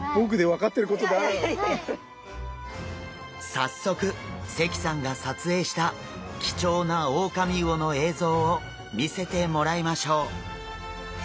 早速関さんが撮影した貴重なオオカミウオの映像を見せてもらいましょう。